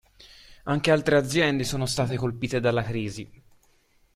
Anche altre aziende sono state colpite dalla crisi.